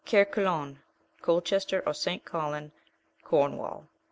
Cair collon (Colchester, or St. Colon, Cornwall).